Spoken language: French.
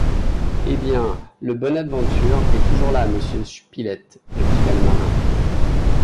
Eh bien, le Bonadventure est toujours là, monsieur Spilett répliqua le marin